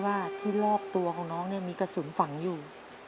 ว่าที่รอบตัวของน้องเนี่ยมีกระสุนฝังอยู่